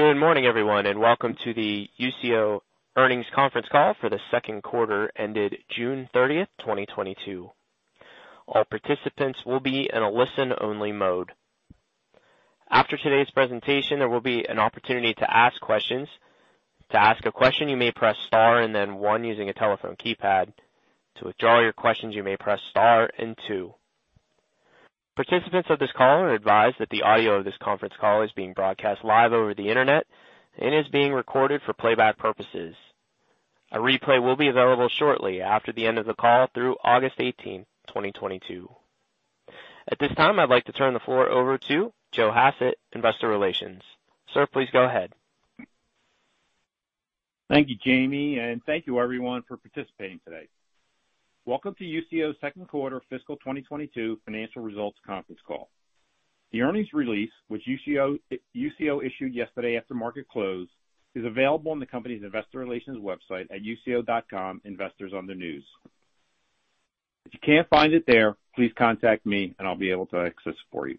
Good morning, everyone, and welcome to the Usio earnings conference call for the second quarter ended June 30, 2022. All participants will be in a listen-only mode. After today's presentation, there will be an opportunity to ask questions. To ask a question, you may press Star and then 1 using a telephone keypad. To withdraw your questions, you may press Star and two. Participants of this call are advised that the audio of this conference call is being broadcast live over the Internet and is being recorded for playback purposes. A replay will be available shortly after the end of the call through August 18, 2022. At this time, I'd like to turn the floor over to Joe Hassett, Investor Relations. Sir, please go ahead. Thank you, Jamie, and thank you everyone for participating today. Welcome to Usio's second quarter fiscal 2022 financial results conference call. The earnings release, which Usio issued yesterday after market close, is available on the company's investor relations website at usio.com, investor news. If you can't find it there, please contact me, and I'll be able to access it for you.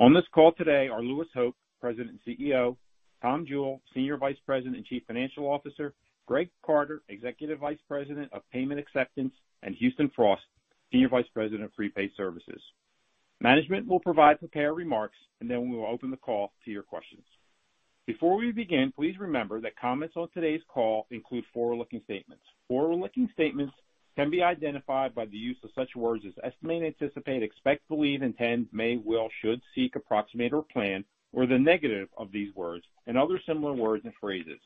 On this call today are Louis Hoch, President and CEO, Tom Jewell, Senior Vice President and Chief Financial Officer, Greg Carter, Executive Vice President of Payment Acceptance, and Houston Frost, Senior Vice President of Prepaid Services. Management will provide prepared remarks, and then we will open the call to your questions. Before we begin, please remember that comments on today's call include forward-looking statements. Forward-looking statements can be identified by the use of such words as estimate, anticipate, expect, believe, intend, may, will, should, seek, approximate or plan, or the negative of these words, and other similar words and phrases.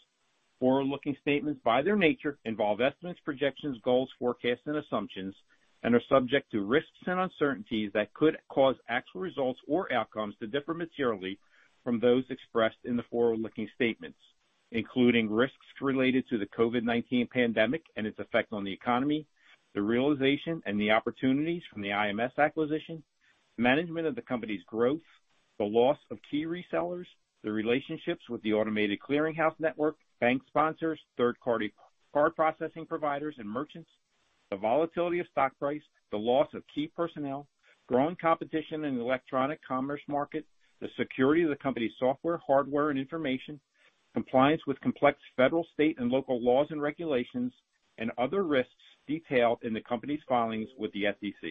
Forward-looking statements, by their nature, involve estimates, projections, goals, forecasts and assumptions, and are subject to risks and uncertainties that could cause actual results or outcomes to differ materially from those expressed in the forward-looking statements, including risks related to the COVID-19 pandemic and its effect on the economy, the realization and the opportunities from the IMS acquisition, management of the company's growth, the loss of key resellers, the relationships with the automated clearing house network, bank sponsors, third-party card processing providers and merchants, the volatility of stock price, the loss of key personnel, growing competition in the electronic commerce market, the security of the company's software, hardware and information, compliance with complex federal, state and local laws and regulations, and other risks detailed in the company's filings with the SEC.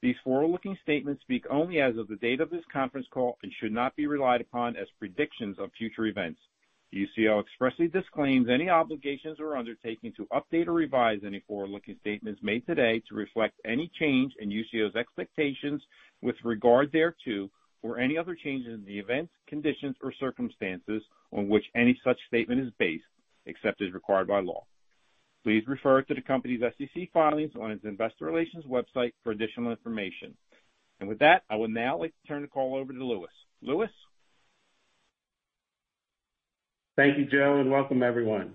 These forward-looking statements speak only as of the date of this conference call and should not be relied upon as predictions of future events. Usio expressly disclaims any obligations or undertaking to update or revise any forward-looking statements made today to reflect any change in Usio's expectations with regard thereto, or any other changes in the events, conditions, or circumstances on which any such statement is based, except as required by law. Please refer to the company's SEC filings on its investor relations website for additional information. With that, I would now like to turn the call over to Louis. Louis? Thank you, Joe, and welcome everyone.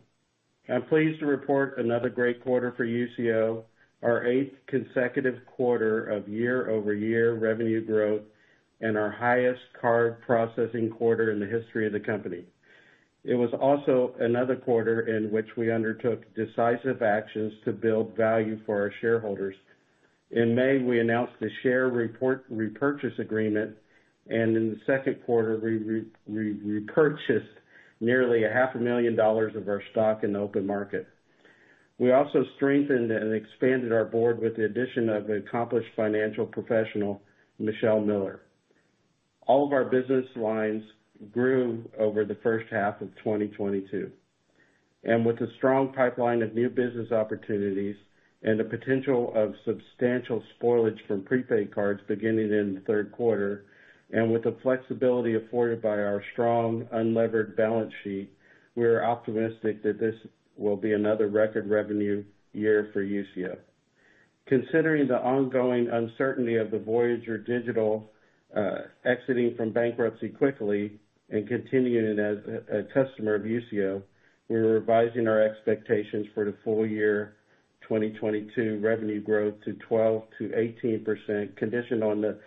I'm pleased to report another great quarter for Usio, our eighth consecutive quarter of year-over-year revenue growth and our highest card processing quarter in the history of the company. It was also another quarter in which we undertook decisive actions to build value for our shareholders. In May, we announced the share repurchase agreement, and in the second quarter, we repurchased nearly half a million dollars of our stock in the open market. We also strengthened and expanded our board with the addition of an accomplished financial professional, Michelle Miller. All of our business lines grew over the first half of 2022. With a strong pipeline of new business opportunities and the potential of substantial spoilage from prepaid cards beginning in the third quarter, and with the flexibility afforded by our strong unlevered balance sheet, we are optimistic that this will be another record revenue year for Usio. Considering the ongoing uncertainty of the Voyager Digital exiting from bankruptcy quickly and continuing as a customer of Usio, we're revising our expectations for the full year 2022 revenue growth to 12%-18%, conditioned on the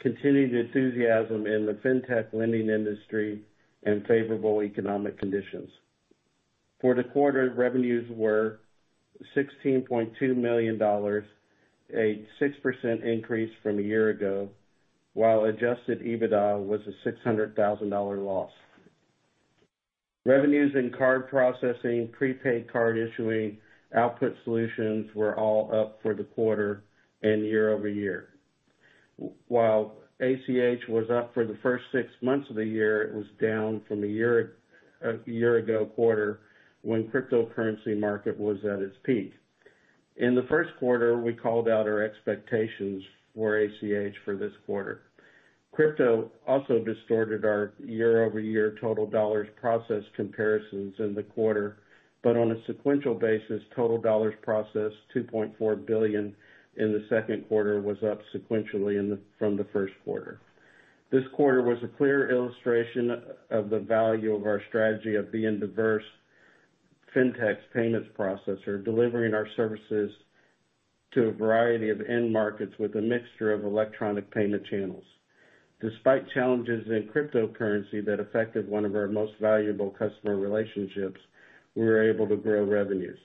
continued enthusiasm in the fintech lending industry and favorable economic conditions. For the quarter, revenues were $16.2 million, a 6% increase from a year ago, while adjusted EBITDA was a $600,000 loss. Revenues in card processing, prepaid card issuing, Output Solutions were all up for the quarter and year-over-year. While ACH was up for the first six months of the year, it was down from a year-ago quarter when cryptocurrency market was at its peak. In the first quarter, we called out our expectations for ACH for this quarter. Crypto also distorted our year-over-year total dollars processed comparisons in the quarter, but on a sequential basis, total dollars processed $2.4 billion in the second quarter was up sequentially from the first quarter. This quarter was a clear illustration of the value of our strategy of being diversified fintech payments processor, delivering our services to a variety of end markets with a mixture of electronic payment channels. Despite challenges in cryptocurrency that affected one of our most valuable customer relationships, we were able to grow revenues.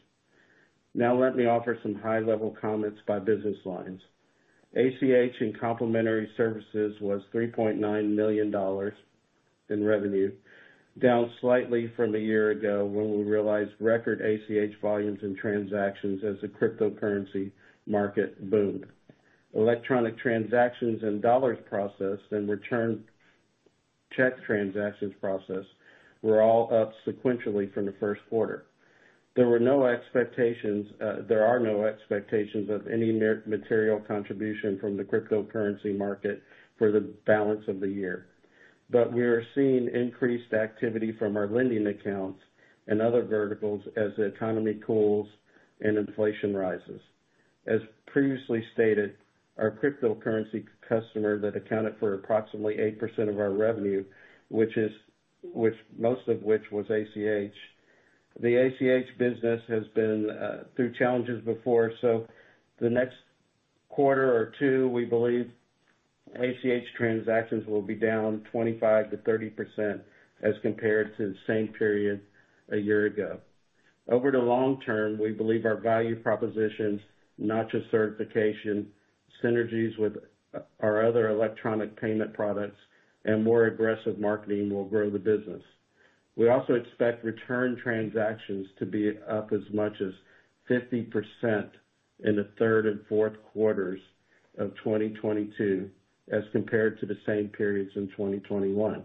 Now let me offer some high-level comments by business lines. ACH and complementary services was $3.9 million in revenue, down slightly from a year ago when we realized record ACH volumes and transactions as the cryptocurrency market boomed. Electronic transactions and dollars processed and returned check transactions processed were all up sequentially from the first quarter. There are no expectations of any material contribution from the cryptocurrency market for the balance of the year. We are seeing increased activity from our lending accounts and other verticals as the economy cools and inflation rises. As previously stated, our cryptocurrency customer that accounted for approximately 8% of our revenue, most of which was ACH. The ACH business has been through challenges before, so the next quarter or two, we believe ACH transactions will be down 25%-30% as compared to the same period a year ago. Over the long term, we believe our value propositions, not just certification, synergies with our other electronic payment products and more aggressive marketing will grow the business. We also expect return transactions to be up as much as 50% in the third and fourth quarters of 2022, as compared to the same periods in 2021.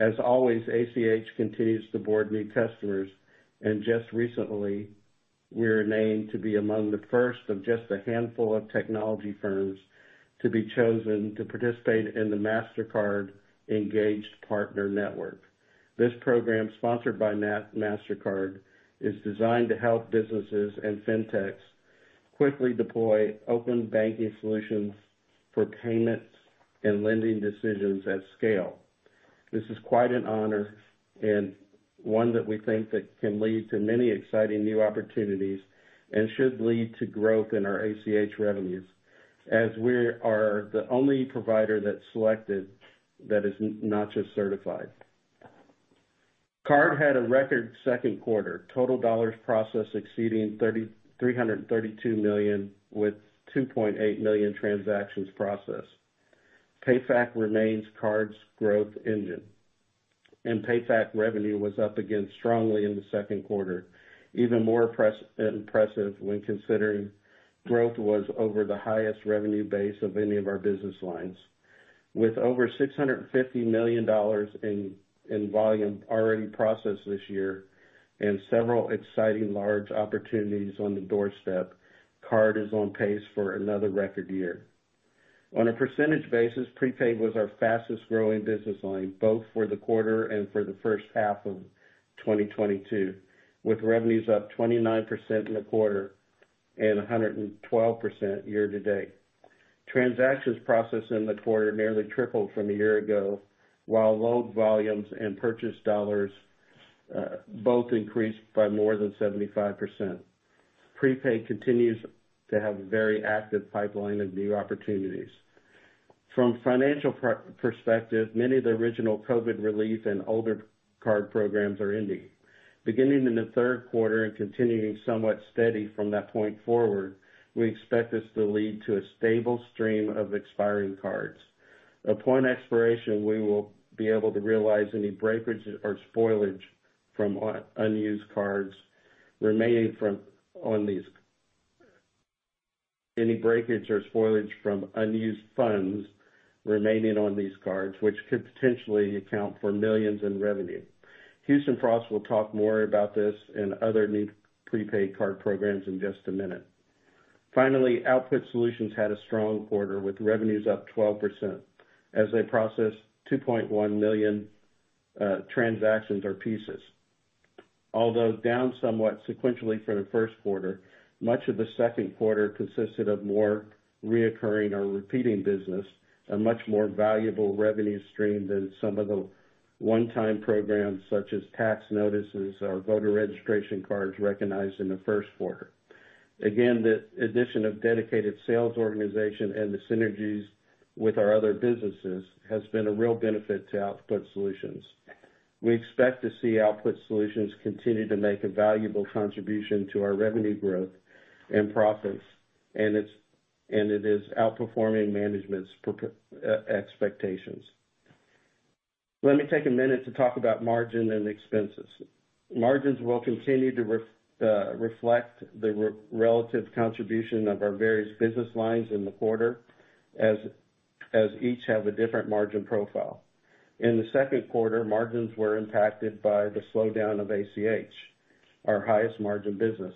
As always, ACH continues to board new customers, and just recently, we were named to be among the first of just a handful of technology firms to be chosen to participate in the Mastercard Engage Partner Network. This program, sponsored by Mastercard, is designed to help businesses and fintechs quickly deploy open banking solutions for payments and lending decisions at scale. This is quite an honor and one that we think that can lead to many exciting new opportunities and should lead to growth in our ACH revenues, as we are the only provider that's selected that is not just certified. Card had a record second quarter, total dollars processed exceeding $332 million with 2.8 million transactions processed. PayFac remains Card's growth engine, and PayFac revenue was up again strongly in the second quarter. Even more impressive when considering growth was over the highest revenue base of any of our business lines. With over $650 million in volume already processed this year and several exciting large opportunities on the doorstep, Card is on pace for another record year. On a percentage basis, prepaid was our fastest-growing business line, both for the quarter and for the first half of 2022, with revenues up 29% in the quarter and 112% year-to-date. Transactions processed in the quarter nearly tripled from a year ago, while load volumes and purchase dollars both increased by more than 75%. Prepaid continues to have a very active pipeline of new opportunities. From a financial perspective, many of the original COVID relief and older card programs are ending. Beginning in the third quarter and continuing somewhat steady from that point forward, we expect this to lead to a stable stream of expiring cards. Upon expiration, we will be able to realize any breakage or spoilage from unused funds remaining on these cards, which could potentially account for $ millions in revenue. Houston Frost will talk more about this and other new prepaid card programs in just a minute. Finally, Output Solutions had a strong quarter, with revenues up 12% as they processed 2.1 million transactions or pieces. Although down somewhat sequentially from the first quarter, much of the second quarter consisted of more recurring or repeating business, a much more valuable revenue stream than some of the one-time programs such as tax notices or voter registration cards recognized in the first quarter. Again, the addition of dedicated sales organization and the synergies with our other businesses has been a real benefit to Output Solutions. We expect to see Output Solutions continue to make a valuable contribution to our revenue growth and profits, and it is outperforming management's expectations. Let me take a minute to talk about margin and expenses. Margins will continue to reflect the relative contribution of our various business lines in the quarter as each have a different margin profile. In the second quarter, margins were impacted by the slowdown of ACH, our highest margin business,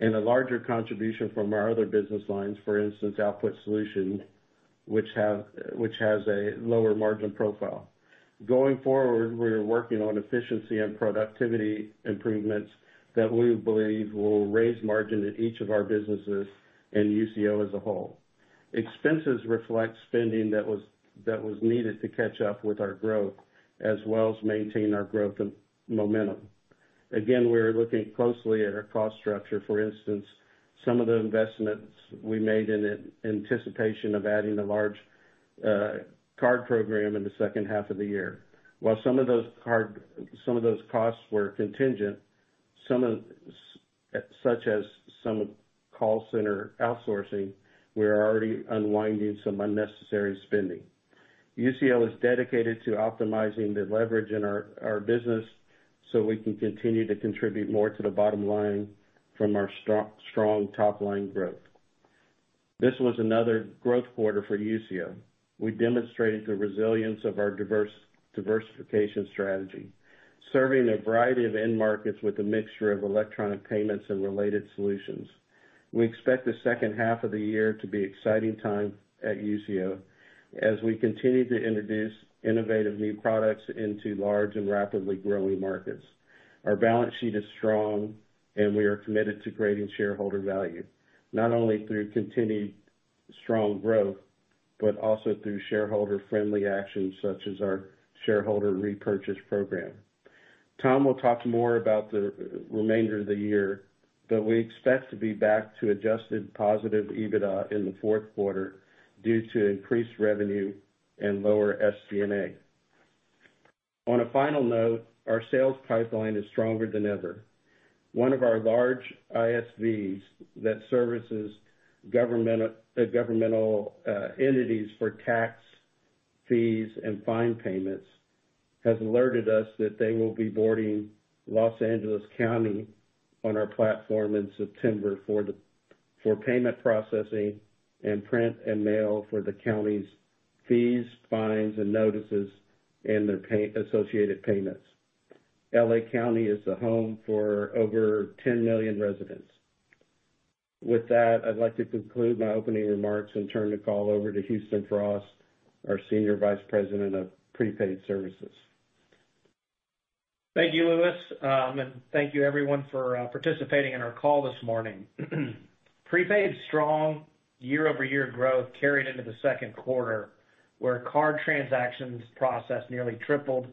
and a larger contribution from our other business lines, for instance, Output Solutions, which has a lower margin profile. Going forward, we're working on efficiency and productivity improvements that we believe will raise margin in each of our businesses and Usio as a whole. Expenses reflect spending that was needed to catch up with our growth as well as maintain our growth and momentum. Again, we're looking closely at our cost structure, for instance. Some of the investments we made in anticipation of adding a large card program in the second half of the year. While some of those costs were contingent, such as some call center outsourcing, we are already unwinding some unnecessary spending. Usio is dedicated to optimizing the leverage in our business so we can continue to contribute more to the bottom line from our strong top-line growth. This was another growth quarter for Usio. We demonstrated the resilience of our diversification strategy, serving a variety of end markets with a mixture of electronic payments and related solutions. We expect the second half of the year to be exciting time at Usio as we continue to introduce innovative new products into large and rapidly growing markets. Our balance sheet is strong, and we are committed to creating shareholder value, not only through continued strong growth, but also through shareholder-friendly actions such as our shareholder repurchase program. Tom will talk more about the remainder of the year, but we expect to be back to adjusted positive EBITDA in the fourth quarter due to increased revenue and lower SG&A. On a final note, our sales pipeline is stronger than ever. One of our large ISVs that services governmental entities for tax, fees, and fine payments has alerted us that they will be boarding Los Angeles County on our platform in September for payment processing and print and mail for the county's fees, fines, and notices and their associated payments. L.A. County is the home for over 10 million residents. With that, I'd like to conclude my opening remarks and turn the call over to Houston Frost, our Senior Vice President of Prepaid Services. Thank you, Louis. And thank you everyone for participating in our call this morning. Prepaid strong year-over-year growth carried into the second quarter, where card transactions processed nearly tripled,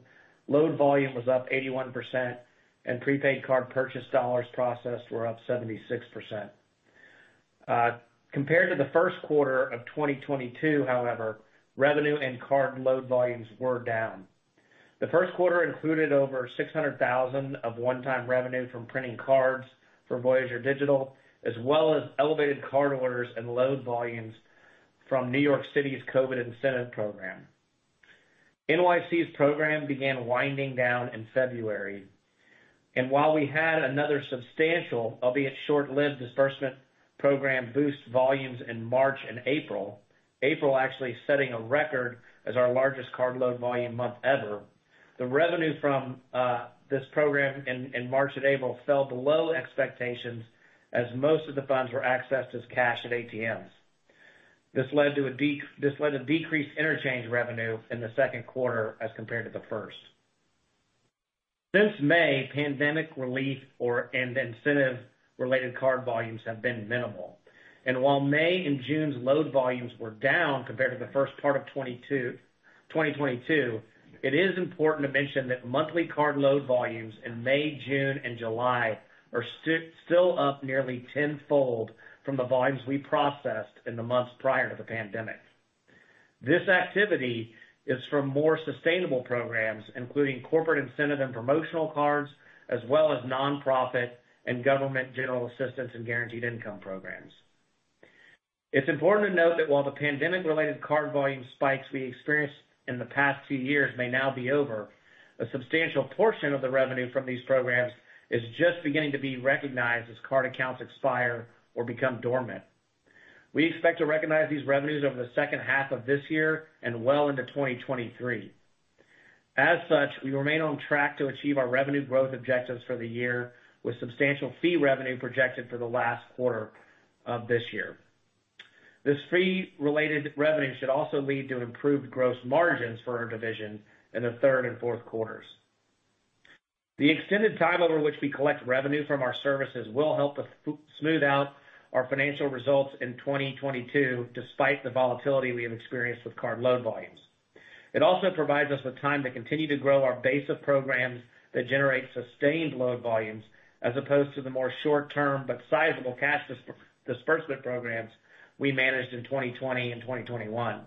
load volume was up 81%, and prepaid card purchase dollars processed were up 76%. Compared to the first quarter of 2022 however, revenue and card load volumes were down. The first quarter included over $600,000 of one-time revenue from printing cards for Voyager Digital, as well as elevated card orders and load volumes from New York City's COVID incentive program. NYC's program began winding down in February. While we had another substantial, albeit short-lived disbursement program boost volumes in March and April actually setting a record as our largest card load volume month ever. The revenue from this program in March and April fell below expectations as most of the funds were accessed as cash at ATMs. This led to decreased interchange revenue in the second quarter as compared to the first. Since May, pandemic relief and incentive-related card volumes have been minimal. While May and June's load volumes were down compared to the first part of 2022, it is important to mention that monthly card load volumes in May, June, and July are still up nearly tenfold from the volumes we processed in the months prior to the pandemic. This activity is from more sustainable programs, including corporate incentive and promotional cards, as well as nonprofit and government general assistance and guaranteed income programs. It's important to note that while the pandemic-related card volume spikes we experienced in the past two years may now be over, a substantial portion of the revenue from these programs is just beginning to be recognized as card accounts expire or become dormant. We expect to recognize these revenues over the second half of this year and well into 2023. As such, we remain on track to achieve our revenue growth objectives for the year with substantial fee revenue projected for the last quarter of this year. This fee-related revenue should also lead to improved gross margins for our division in the third and fourth quarters. The extended time over which we collect revenue from our services will help us smooth out our financial results in 2022 despite the volatility we have experienced with card load volumes. It also provides us with time to continue to grow our base of programs that generate sustained load volumes as opposed to the more short term but sizable cash disbursement programs we managed in 2020 and 2021.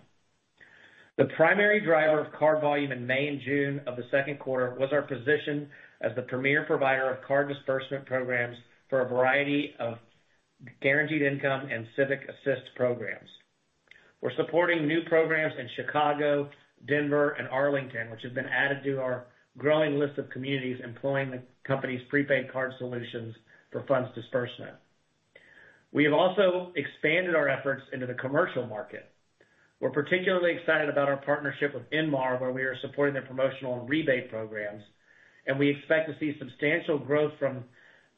The primary driver of card volume in May and June of the second quarter was our position as the premier provider of card disbursement programs for a variety of guaranteed income and civic assist programs. We're supporting new programs in Chicago, Denver, and Arlington, which have been added to our growing list of communities employing the company's prepaid card solutions for funds disbursement. We have also expanded our efforts into the commercial market. We're particularly excited about our partnership with Inmar, where we are supporting their promotional and rebate programs, and we expect to see substantial growth from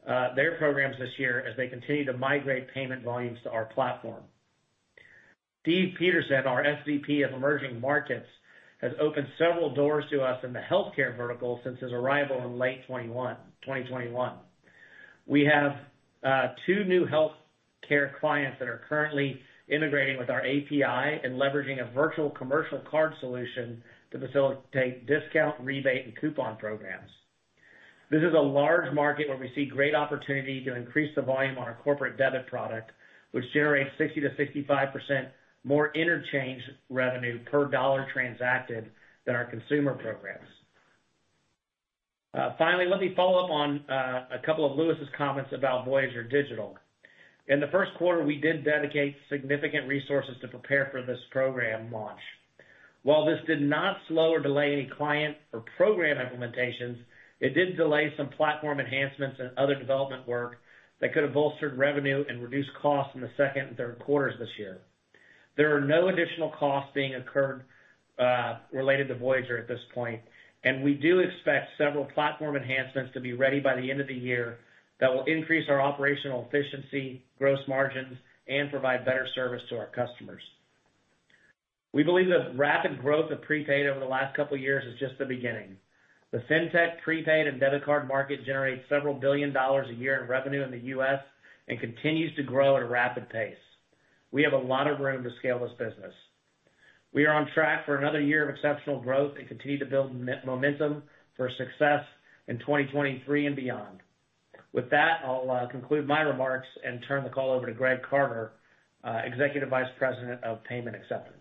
their programs this year as they continue to migrate payment volumes to our platform. Steve Peterson, our SVP of Emerging Markets, has opened several doors to us in the healthcare vertical since his arrival in late 2021. We have two new healthcare clients that are currently integrating with our API and leveraging a virtual commercial card solution to facilitate discount, rebate, and coupon programs. This is a large market where we see great opportunity to increase the volume on our corporate debit product, which generates 60%-65% more interchange revenue per dollar transacted than our consumer programs. Finally, let me follow up on a couple of Louis' comments about Voyager Digital. In the first quarter, we did dedicate significant resources to prepare for this program launch. While this did not slow or delay any client or program implementations, it did delay some platform enhancements and other development work that could have bolstered revenue and reduced costs in the second and third quarters this year. There are no additional costs being incurred related to Voyager at this point, and we do expect several platform enhancements to be ready by the end of the year that will increase our operational efficiency, gross margins, and provide better service to our customers. We believe the rapid growth of prepaid over the last couple of years is just the beginning. The fintech prepaid and debit card market generates $several billion a year in revenue in the U.S. and continues to grow at a rapid pace. We have a lot of room to scale this business. We are on track for another year of exceptional growth and continue to build momentum for success in 2023 and beyond. With that, I'll conclude my remarks and turn the call over to Greg Carter, Executive Vice President of Payment Acceptance.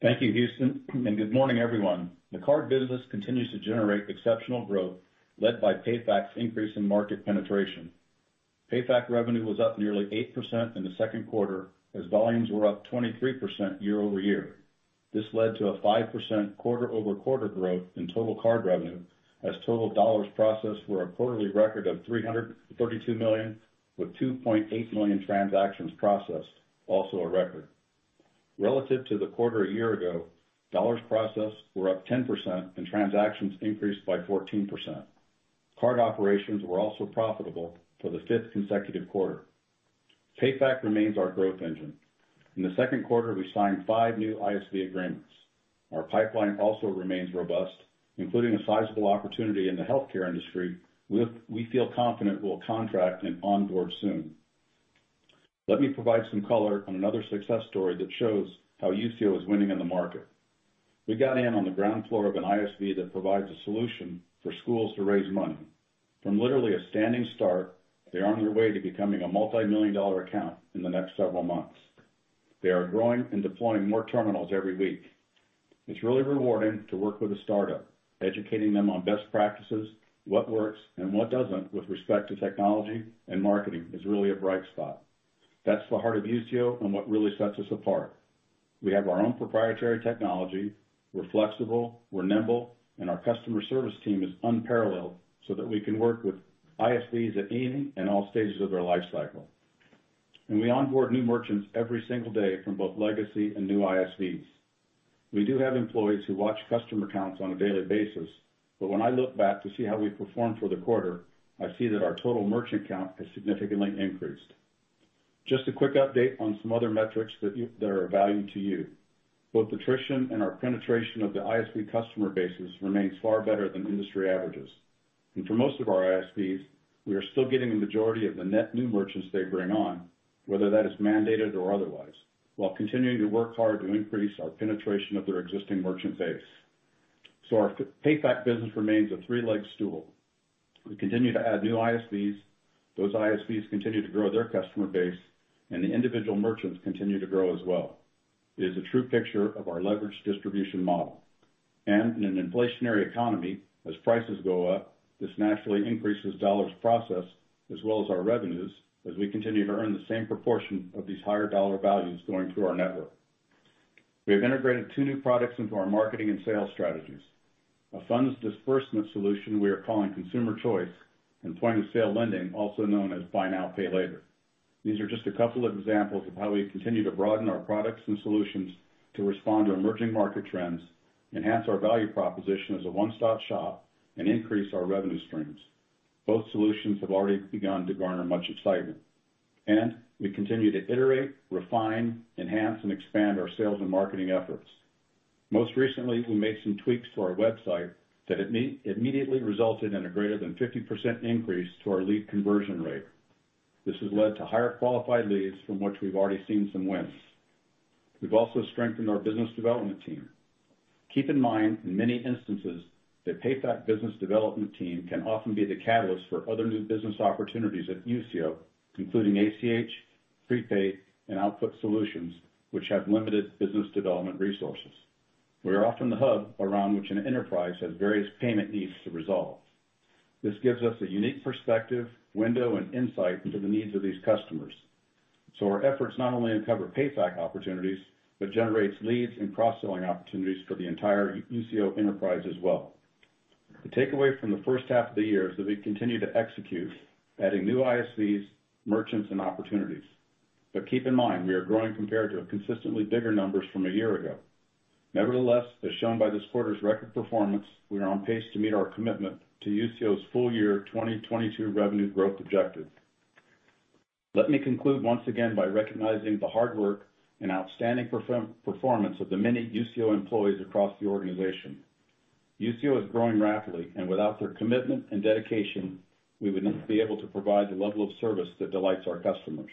Thank you, Houston, and good morning, everyone. The card business continues to generate exceptional growth led by PayFac's increase in market penetration. PayFac revenue was up nearly 8% in the second quarter as volumes were up 23% year-over-year. This led to a 5% quarter-over-quarter growth in total card revenue as total dollars processed were a quarterly record of $332 million, with 2.8 million transactions processed, also a record. Relative to the quarter a year ago, dollars processed were up 10% and transactions increased by 14%. Card operations were also profitable for the fifth consecutive quarter. PayFac remains our growth engine. In the second quarter, we signed 5 new ISV agreements. Our pipeline also remains robust, including a sizable opportunity in the healthcare industry, we feel confident we'll contract and onboard soon. Let me provide some color on another success story that shows how Usio is winning in the market. We got in on the ground floor of an ISV that provides a solution for schools to raise money. From literally a standing start, they're on their way to becoming a multi-million dollar account in the next several months. They are growing and deploying more terminals every week. It's really rewarding to work with a startup, educating them on best practices, what works, and what doesn't with respect to technology, and marketing is really a bright spot. That's the heart of Usio and what really sets us apart. We have our own proprietary technology, we're flexible, we're nimble, and our customer service team is unparalleled so that we can work with ISVs at any and all stages of their life cycle. We onboard new merchants every single day from both legacy and new ISVs. We do have employees who watch customer accounts on a daily basis, but when I look back to see how we performed for the quarter, I see that our total merchant count has significantly increased. Just a quick update on some other metrics that are of value to you. Both attrition and our penetration of the ISV customer bases remains far better than industry averages. For most of our ISVs, we are still getting the majority of the net new merchants they bring on, whether that is mandated or otherwise, while continuing to work hard to increase our penetration of their existing merchant base. Our PayFac business remains a three-legged stool. We continue to add new ISVs, those ISVs continue to grow their customer base, and the individual merchants continue to grow as well. It is a true picture of our leveraged distribution model. In an inflationary economy, as prices go up, this naturally increases dollars processed as well as our revenues as we continue to earn the same proportion of these higher dollar values going through our network. We have integrated two new products into our marketing and sales strategies, a funds disbursement solution we are calling Consumer Choice, and point-of-sale lending, also known as Buy Now, Pay Later. These are just a couple of examples of how we continue to broaden our products and solutions to respond to emerging market trends, enhance our value proposition as a one-stop shop, and increase our revenue streams. Both solutions have already begun to garner much excitement. We continue to iterate, refine, enhance, and expand our sales and marketing efforts. Most recently, we made some tweaks to our website that immediately resulted in a greater than 50% increase to our lead conversion rate. This has led to higher qualified leads from which we've already seen some wins. We've also strengthened our business development team. Keep in mind, in many instances, the PayFac business development team can often be the catalyst for other new business opportunities at Usio, including ACH, prepaid, and Output Solutions which have limited business development resources. We are often the hub around which an enterprise has various payment needs to resolve. This gives us a unique perspective, window, and insight into the needs of these customers. Our efforts not only uncover PayFac opportunities, but generates leads and cross-selling opportunities for the entire Usio enterprise as well. The takeaway from the first half of the year is that we continue to execute, adding new ISVs, merchants, and opportunities. Keep in mind, we are growing compared to consistently bigger numbers from a year ago. Nevertheless, as shown by this quarter's record performance, we are on pace to meet our commitment to Usio's full year 2022 revenue growth objective. Let me conclude once again by recognizing the hard work and outstanding performance of the many Usio employees across the organization. Usio is growing rapidly, and without their commitment and dedication, we would not be able to provide the level of service that delights our customers.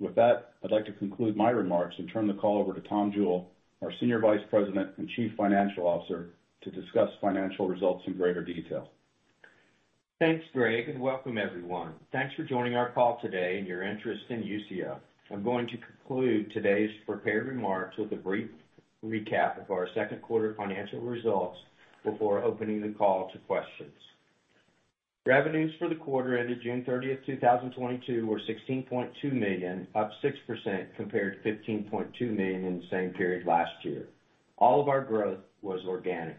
With that, I'd like to conclude my remarks and turn the call over to Tom Jewell, our Senior Vice President and Chief Financial Officer, to discuss financial results in greater detail. Thanks, Greg, and welcome everyone. Thanks for joining our call today and your interest in Usio. I'm going to conclude today's prepared remarks with a brief recap of our second quarter financial results before opening the call to questions. Revenues for the quarter ended June 30, 2022 were $16.2 million, up 6% compared to $15.2 million in the same period last year. All of our growth was organic.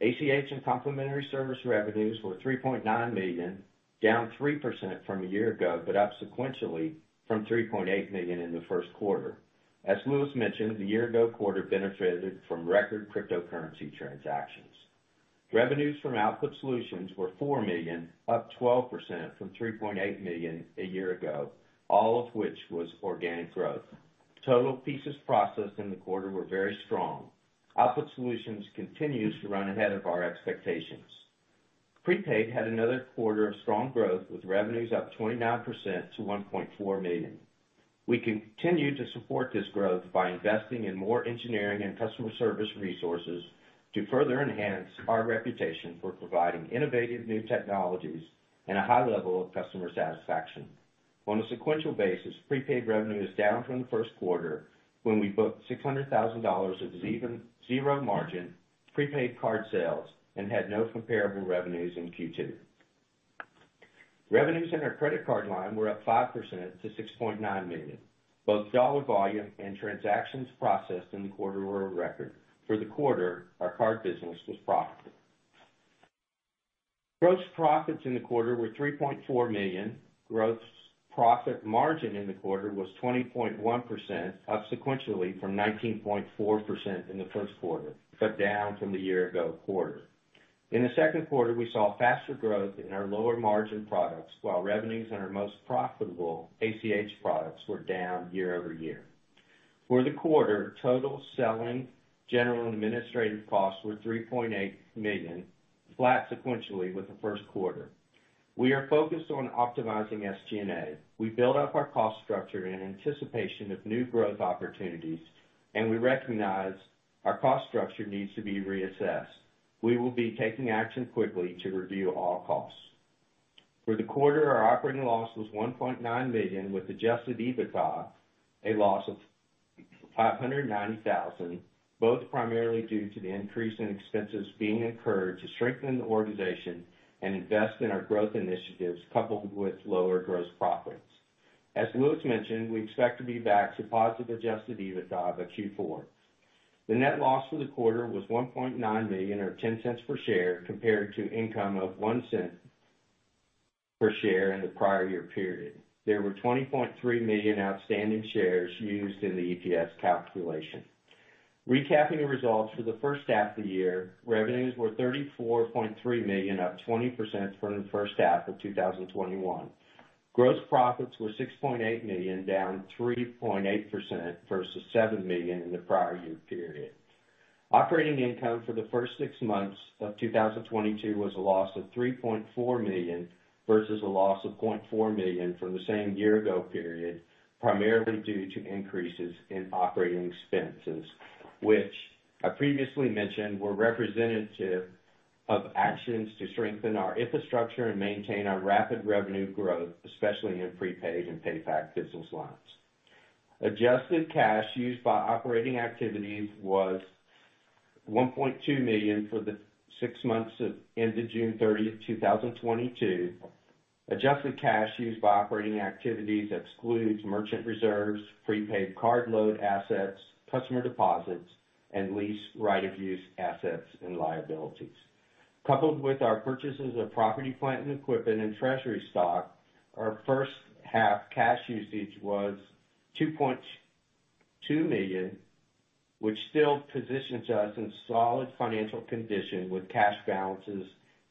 ACH and complementary service revenues were $3.9 million, down 3% from a year ago, but up sequentially from $3.8 million in the first quarter. As Louis mentioned, the year ago quarter benefited from record cryptocurrency transactions. Revenues from Output Solutions were $4 million, up 12% from $3.8 million a year ago, all of which was organic growth. Total pieces processed in the quarter were very strong. Output Solutions continues to run ahead of our expectations. Prepaid had another quarter of strong growth, with revenues up 29% to $1.4 million. We continue to support this growth by investing in more engineering and customer service resources to further enhance our reputation for providing innovative new technologies and a high level of customer satisfaction. On a sequential basis, Prepaid revenue is down from the first quarter, when we booked $600,000 of zero-margin prepaid card sales and had no comparable revenues in Q2. Revenues in our credit card line were up 5% to $6.9 million. Both dollar volume and transactions processed in the quarter were a record. For the quarter, our card business was profitable. Gross profits in the quarter were $3.4 million. Gross profit margin in the quarter was 20.1%, up sequentially from 19.4% in the first quarter, but down from the year-ago quarter. In the second quarter, we saw faster growth in our lower margin products, while revenues in our most profitable ACH products were down year-over-year. For the quarter, total selling, general, and administrative costs were $3.8 million, flat sequentially with the first quarter. We are focused on optimizing SG&A. We built up our cost structure in anticipation of new growth opportunities, and we recognize our cost structure needs to be reassessed. We will be taking action quickly to review all costs. For the quarter, our operating loss was $1.9 million, with adjusted EBITDA a loss of $590 thousand, both primarily due to the increase in expenses being incurred to strengthen the organization and invest in our growth initiatives, coupled with lower gross profits. As Louis mentioned, we expect to be back to positive adjusted EBITDA by Q4. The net loss for the quarter was $1.9 million or $0.10 per share, compared to income of $0.01 per share in the prior year period. There were 20.3 million outstanding shares used in the EPS calculation. Recapping the results for the first half of the year, revenues were $34.3 million, up 20% from the first half of 2021. Gross profits were $6.8 million, down 3.8% versus $7 million in the prior year period. Operating income for the first six months of 2022 was a loss of $3.4 million versus a loss of $0.4 million from the same year-ago period, primarily due to increases in operating expenses, which I previously mentioned were representative of actions to strengthen our infrastructure and maintain our rapid revenue growth, especially in prepaid and PayFac business lines. Adjusted cash used by operating activities was $1.2 million for the six months that ended June 30th, 2022. Adjusted cash used by operating activities excludes merchant reserves, prepaid card load assets, customer deposits, and lease right-of-use assets and liabilities. Coupled with our purchases of property, plant and equipment and treasury stock, our first half cash usage was $2.2 million, which still positions us in solid financial condition with cash balances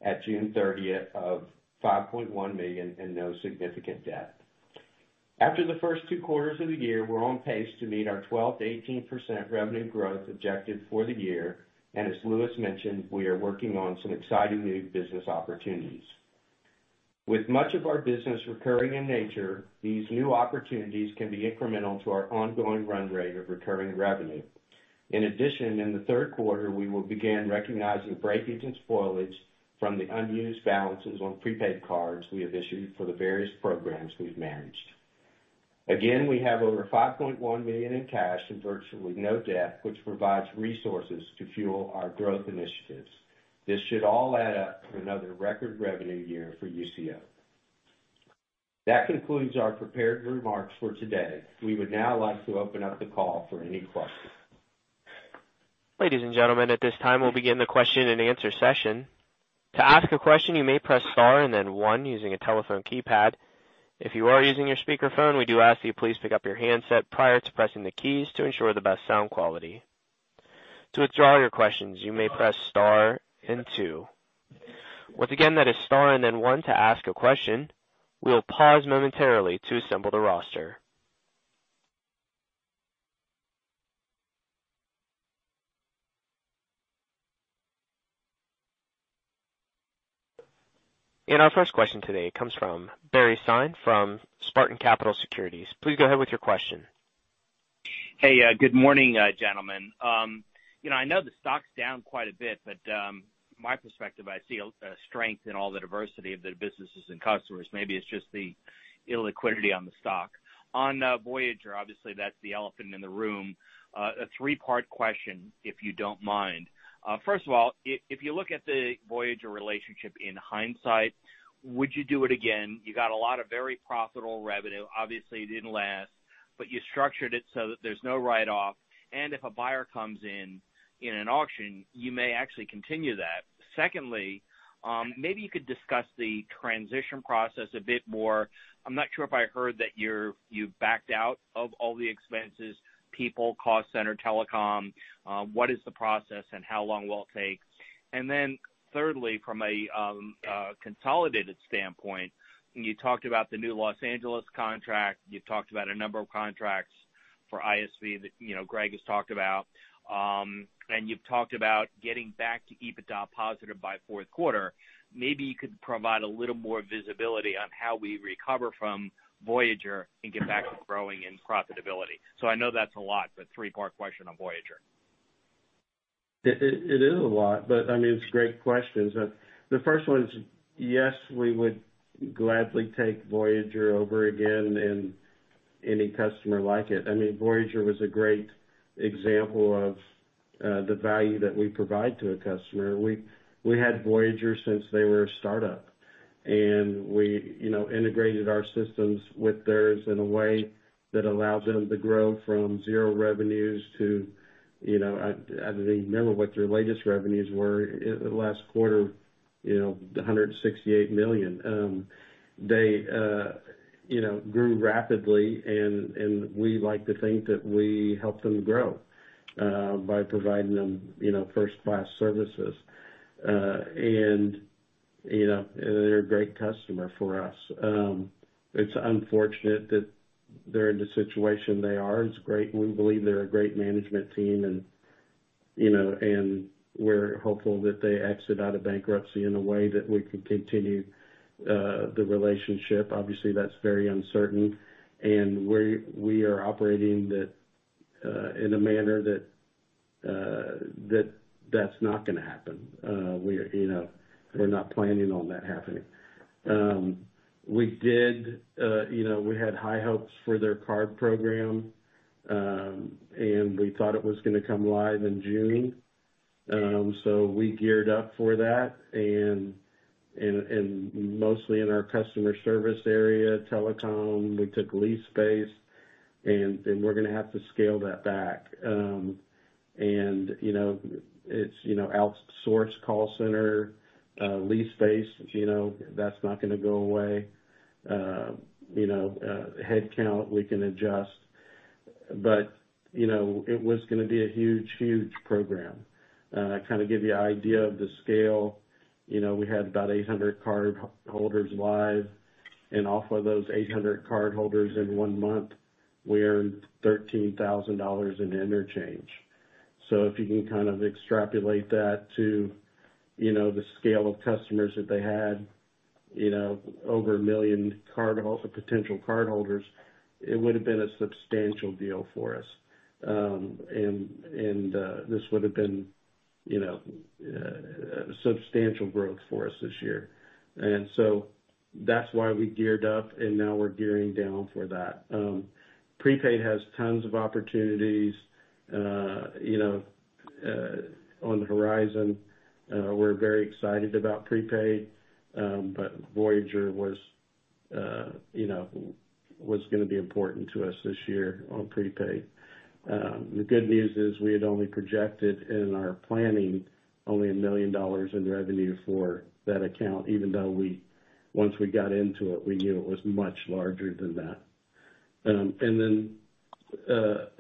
at June 30 of $5.1 million and no significant debt. After the first two quarters of the year, we're on pace to meet our 12%-18% revenue growth objective for the year. As Louis mentioned, we are working on some exciting new business opportunities. With much of our business recurring in nature, these new opportunities can be incremental to our ongoing run rate of recurring revenue. In addition, in the third quarter, we will begin recognizing breakage and spoilage from the unused balances on prepaid cards we have issued for the various programs we've managed. Again, we have over $5.1 million in cash and virtually no debt, which provides resources to fuel our growth initiatives. This should all add up to another record revenue year for Usio. That concludes our prepared remarks for today. We would now like to open up the call for any questions. Ladies and gentlemen, at this time, we'll begin the question and answer session. To ask a question, you may press star and then one using a telephone keypad. If you are using your speakerphone, we do ask that you please pick up your handset prior to pressing the keys to ensure the best sound quality. To withdraw your questions, you may press star and two. Once again, that is star and then one to ask a question. We will pause momentarily to assemble the roster. Our first question today comes from Barry Sine from Spartan Capital Securities. Please go ahead with your question. Hey, good morning, gentlemen. You know, I know the stock's down quite a bit, but my perspective, I see a strength in all the diversity of the businesses and customers. Maybe it's just the illiquidity on the stock. On Voyager, obviously that's the elephant in the room. A three-part question, if you don't mind. First of all, if you look at the Voyager relationship in hindsight, would you do it again? You got a lot of very profitable revenue. Obviously, it didn't last, but you structured it so that there's no write off, and if a buyer comes in in an auction, you may actually continue that. Secondly, maybe you could discuss the transition process a bit more. I'm not sure if I heard that you backed out of all the expenses, people, call center, telecom. What is the process, and how long will it take? Thirdly, from a consolidated standpoint, you talked about the new Los Angeles contract, you talked about a number of contracts for ISV that, you know, Greg has talked about, and you've talked about getting back to EBITDA positive by fourth quarter. Maybe you could provide a little more visibility on how we recover from Voyager and get back to growing and profitability. I know that's a lot, but three-part question on Voyager. It is a lot, but I mean, it's great questions. The first one is, yes, we would gladly take Voyager over again and any customer like it. I mean, Voyager was a great example of the value that we provide to a customer. We had Voyager since they were a startup, and we you know, integrated our systems with theirs in a way that allows them to grow from zero revenues to, you know, I don't even remember what their latest revenues were in the last quarter, you know, $168 million. They you know, grew rapidly and we like to think that we helped them grow by providing them, you know, first-class services. You know, they're a great customer for us. It's unfortunate that they're in the situation they are. We believe they're a great management team and, you know, we're hopeful that they exit out of bankruptcy in a way that we can continue the relationship. Obviously, that's very uncertain. We're operating that in a manner that that's not gonna happen. You know, we're not planning on that happening. You know, we had high hopes for their card program and we thought it was gonna come live in June. We geared up for that and mostly in our customer service area, telecom, we took lease space and we're gonna have to scale that back. You know, it's, you know, outsourced call center, lease space, you know, that's not gonna go away. You know, headcount we can adjust. You know, it was gonna be a huge program. To kind of give you idea of the scale, you know, we had about 800 cardholders live. Off of those 800 cardholders in 1 month, we earned $13,000 in interchange. If you can kind of extrapolate that to, you know, the scale of customers that they had, you know, over a million potential cardholders, it would have been a substantial deal for us. This would have been, you know, substantial growth for us this year. That's why we geared up, and now we're gearing down for that. Prepaid has tons of opportunities on the horizon. We're very excited about prepaid. Voyager was gonna be important to us this year on prepaid. The good news is we had only projected in our planning a million dollars in revenue for that account, even though once we got into it, we knew it was much larger than that.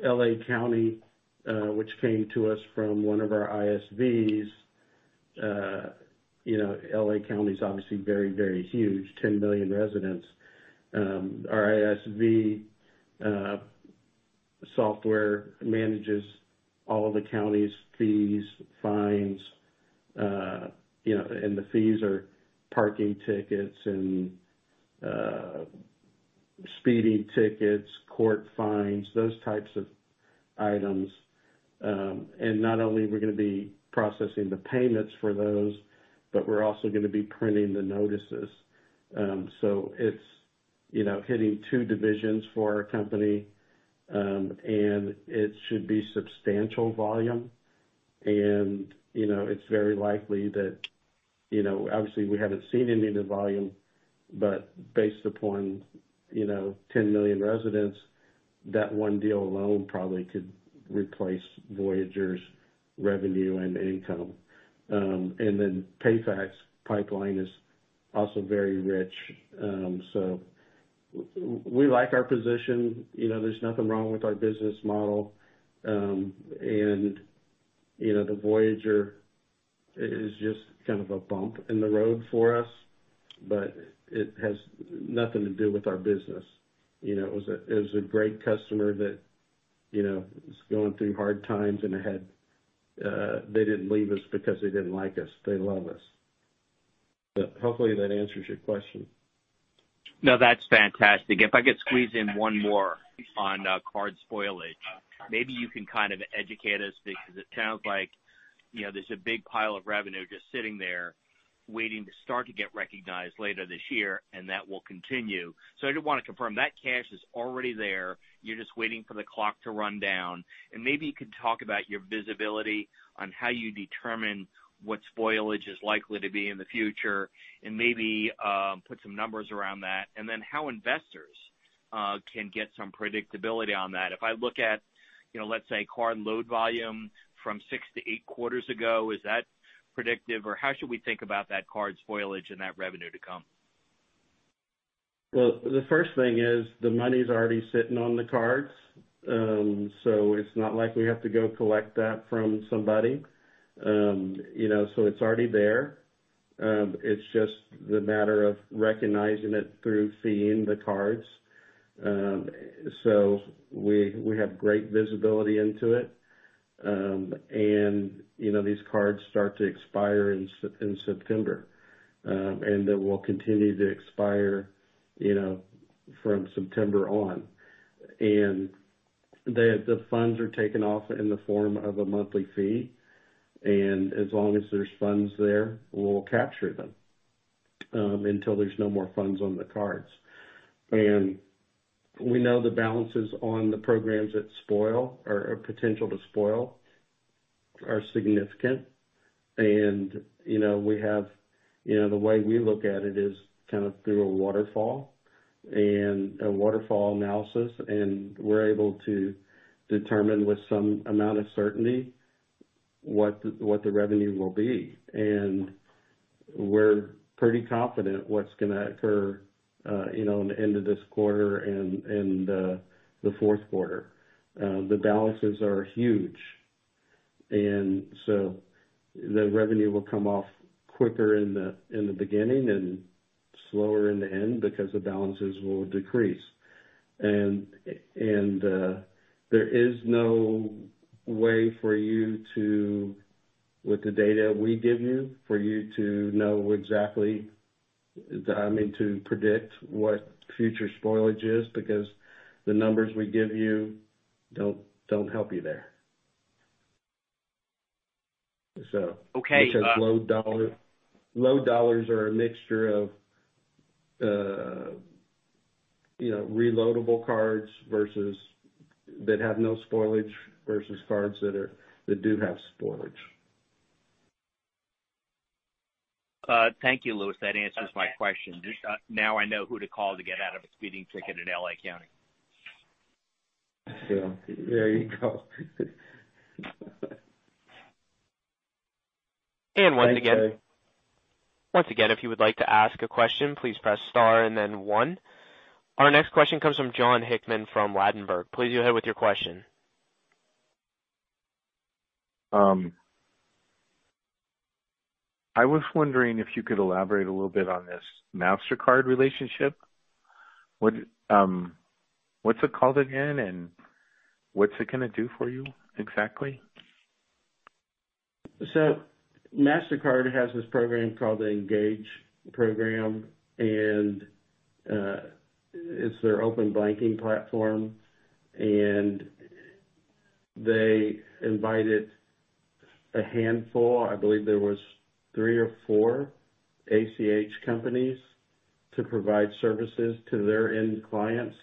L.A. County, which came to us from one of our ISVs, you know, L.A. County is obviously very, very huge, 10 million residents. Our ISV software manages all of the county's fees, fines, you know, and the fees are parking tickets and speeding tickets, court fines, those types of items. Not only are we gonna be processing the payments for those, but we're also gonna be printing the notices. It's, you know, hitting two divisions for our company, and it should be substantial volume. You know, it's very likely that, you know, obviously we haven't seen any of the volume, but based upon, you know, 10 million residents, that one deal alone probably could replace Voyager's revenue and income. And then PayFac pipeline is also very rich. So we like our position. You know, there's nothing wrong with our business model. You know, the Voyager is just kind of a bump in the road for us, but it has nothing to do with our business. You know, it was a great customer that, you know, is going through hard times, they didn't leave us because they didn't like us. They love us. Hopefully that answers your question. No, that's fantastic. If I could squeeze in one more on card spoilage, maybe you can kind of educate us, because it sounds like, you know, there's a big pile of revenue just sitting there waiting to start to get recognized later this year, and that will continue. I just wanna confirm that cash is already there. You're just waiting for the clock to run down, and maybe you could talk about your visibility on how you determine what spoilage is likely to be in the future and maybe put some numbers around that, and then how investors can get some predictability on that. If I look at, you know, let's say card load volume from 6-8 quarters ago, is that predictive? Or how should we think about that card spoilage and that revenue to come? Well, the first thing is the money's already sitting on the cards. It's not like we have to go collect that from somebody. You know, it's already there. It's just the matter of recognizing it through seeing the cards. We have great visibility into it. You know, these cards start to expire in September, and they will continue to expire, you know, from September on. The funds are taken off in the form of a monthly fee, and as long as there's funds there, we'll capture them until there's no more funds on the cards. We know the balances on the programs that spoil or potential to spoil are significant. You know, we have. You know, the way we look at it is kind of through a waterfall and a waterfall analysis, and we're able to determine with some amount of certainty what the revenue will be. We're pretty confident what's gonna occur, you know, in the end of this quarter and the fourth quarter. The balances are huge, and so the revenue will come off quicker in the beginning and slower in the end because the balances will decrease. There is no way for you to, with the data we give you, for you to know exactly. I mean, to predict what future spoilage is, because the numbers we give you don't help you there. Okay. Which is loaded dollar. Loaded dollars are a mixture of reloadable cards versus that have no spoilage versus cards that do have spoilage. Thank you, Louis. That answers my question. Just, now I know who to call to get out of a speeding ticket in L.A. County. There you go. Once again. Thanks, Jay. Once again, if you would like to ask a question, please press star and then one. Our next question comes from Jon Hickman from Ladenburg. Please go ahead with your question. I was wondering if you could elaborate a little bit on this Mastercard relationship. What's it called again, and what's it gonna do for you exactly? Mastercard has this program called the Engage program, it's their open banking platform, and they invited a handful. I believe there were three or four ACH companies to provide services to their end clients.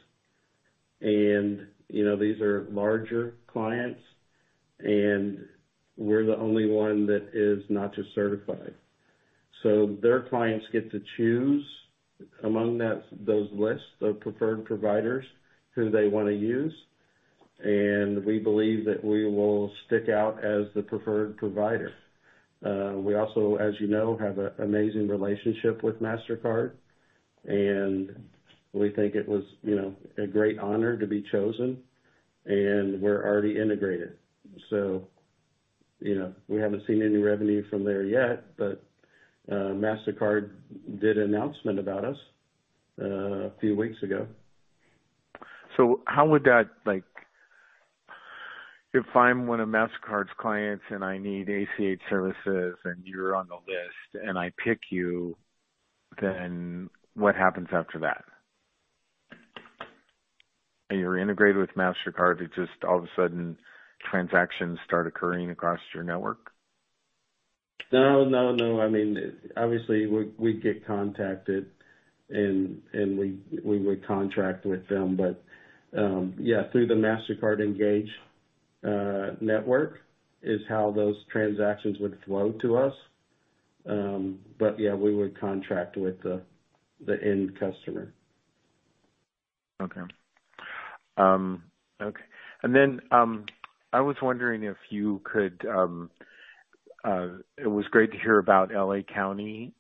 You know, these are larger clients, and we're the only one that is not just certified. Their clients get to choose among those lists of preferred providers who they wanna use, and we believe that we will stick out as the preferred provider. We also, as you know, have amazing relationship with Mastercard, and we think it was, you know, a great honor to be chosen, and we're already integrated. You know, we haven't seen any revenue from there yet, but Mastercard did an announcement about us a few weeks ago. How would that like, if I'm one of Mastercard's clients and I need ACH services and you're on the list and I pick you, then what happens after that? Are you integrated with Mastercard? It just all of a sudden transactions start occurring across your network? No. I mean, obviously we get contacted and we would contract with them. Yeah, through the Mastercard Engage network is how those transactions would flow to us. Yeah, we would contract with the end customer. Okay. Okay. I was wondering if you could. It was great to hear about L.A. County,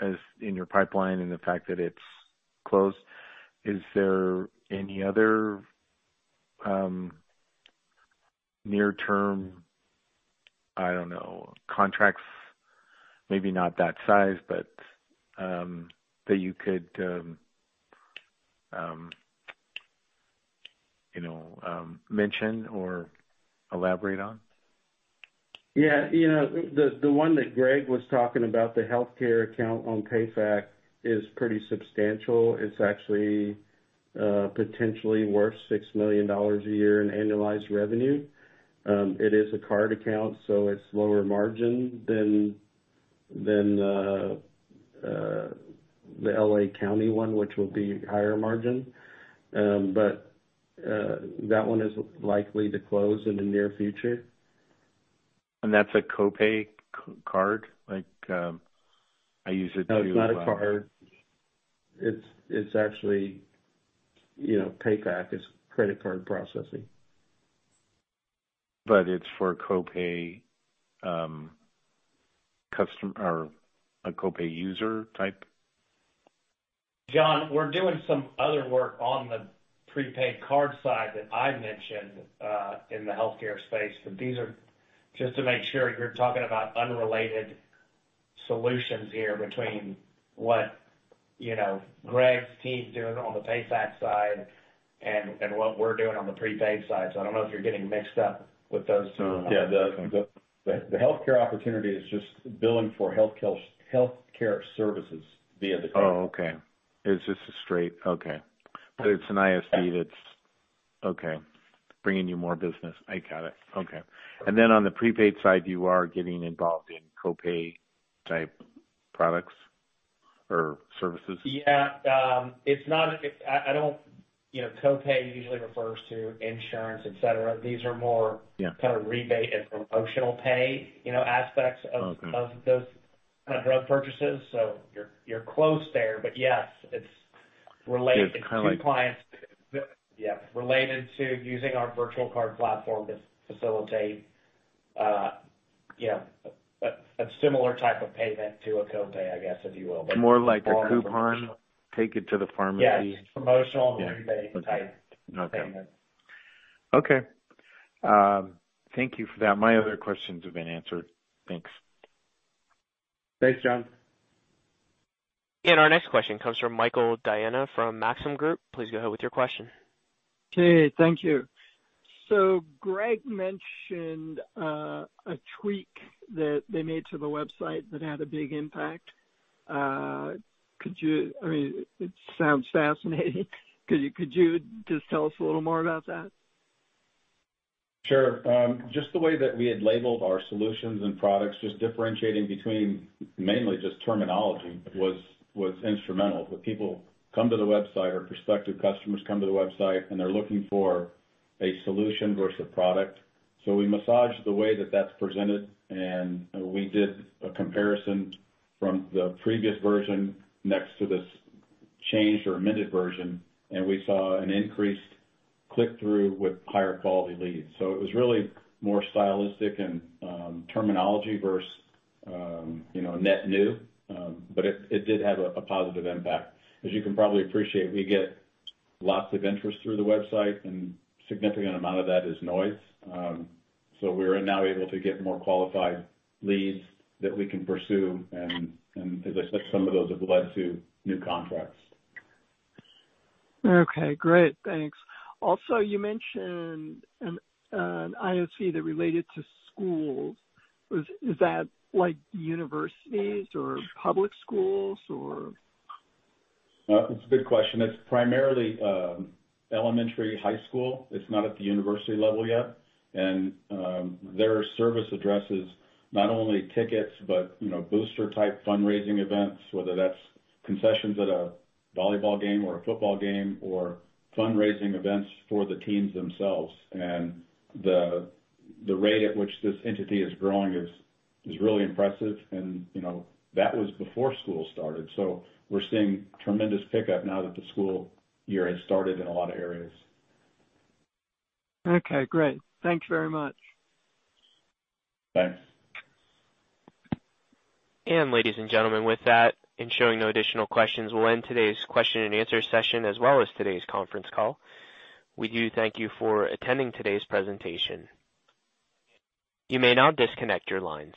as in your pipeline and the fact that it's closed. Is there any other near term, I don't know, contracts, maybe not that size, but that you could, you know, mention or elaborate on? Yeah. You know, the one that Greg was talking about, the healthcare account on PayFac, is pretty substantial. It's actually potentially worth $6 million a year in annualized revenue. It is a card account, so it's lower margin than the L.A. County one, which will be higher margin. That one is likely to close in the near future. That's a co-pay card? Like, I use it to. No, it's not a card. It's actually, you know, PayFac. It's credit card processing. It's for co-pay, or a co-pay user type? John, we're doing some other work on the prepaid card side that I mentioned in the healthcare space. These are just to make sure you're talking about unrelated solutions here between what, you know, Greg's team is doing on the PayFac side and what we're doing on the prepaid side. I don't know if you're getting mixed up with those two. Yeah. The healthcare opportunity is just billing for healthcare services via the card. Oh, okay. Okay. But it's an ISV. Okay. Bringing you more business. I got it. Okay. Then on the prepaid side, you are getting involved in co-pay type products or services? Yeah. I don't, you know, co-pay usually refers to insurance, et cetera. These are more. Yeah. kind of rebate and promotional pay, you know, aspects of Okay. of those kind of drug purchases. You're close there, but yes, it's related to clients. It's kinda like. Yeah. Related to using our virtual card platform to facilitate, you know, a similar type of payment to a co-pay, I guess, if you will. More like a coupon, take it to the pharmacy. Yes. Promotional and rebate type payment. Okay. Thank you for that. My other questions have been answered. Thanks. Thanks, Jon. Our next question comes from Michael Diana from Maxim Group. Please go ahead with your question. Okay, thank you. Greg mentioned a tweak that they made to the website that had a big impact. I mean, it sounds fascinating. Could you just tell us a little more about that? Sure. Just the way that we had labeled our solutions and products, just differentiating between mainly just terminology was instrumental. The people come to the website or prospective customers come to the website, and they're looking for a solution versus a product. We massaged the way that that's presented, and we did a comparison from the previous version next to this changed or amended version, and we saw an increased click-through with higher quality leads. It was really more stylistic and terminology versus, you know, net new. But it did have a positive impact. As you can probably appreciate, we get lots of interest through the website and significant amount of that is noise. We're now able to get more qualified leads that we can pursue and as I said, some of those have led to new contracts. Okay, great. Thanks. Also, you mentioned an ISV that related to schools. Is that like universities or public schools or? No, it's a good question. It's primarily elementary, high school. It's not at the university level yet. Their service addresses not only tickets, but, you know, booster type fundraising events, whether that's concessions at a volleyball game or a football game or fundraising events for the teams themselves. The rate at which this entity is growing is really impressive. You know, that was before school started. We're seeing tremendous pickup now that the school year has started in a lot of areas. Okay, great. Thank you very much. Thanks. Ladies and gentlemen, with that, and showing no additional questions, we'll end today's question and answer session, as well as today's conference call. We do thank you for attending today's presentation. You may now disconnect your lines.